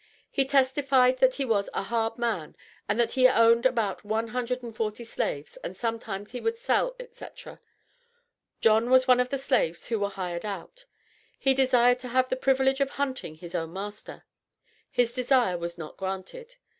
He testified that he was a "hard man" and that he "owned about one hundred and forty slaves and sometimes he would sell," etc. John was one of the slaves who were "hired out." He "desired to have the privilege of hunting his own master." His desire was not granted.